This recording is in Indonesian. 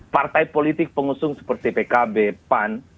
partai politik pengusung seperti pkb pan